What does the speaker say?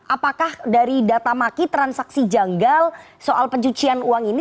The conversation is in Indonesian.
apakah dari data maki transaksi janggal soal pencucian uang ini